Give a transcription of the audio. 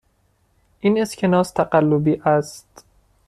این اسکناس تقلبی است.